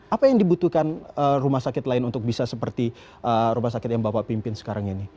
apa yang dibutuhkan rumah sakit lain untuk bisa seperti rumah sakit yang bapak pimpin sekarang ini